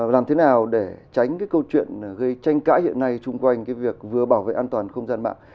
làm thế nào để tránh cái câu chuyện gây tranh cãi hiện nay chung quanh việc vừa bảo vệ an toàn không gian mạng